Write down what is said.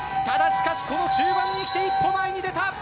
しかし、この中盤にきて一歩前に出た。